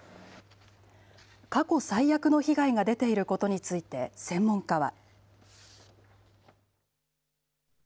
過去最悪の被害が出ていることについて、専門家は。